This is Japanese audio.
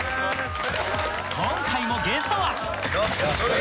今回もゲストはせの。